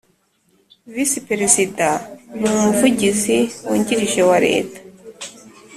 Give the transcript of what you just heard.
Visi Perediza nu Umuvugizi Wungirije wa leta